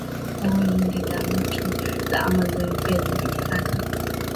Bonde la mto la Amazon pia linajulikana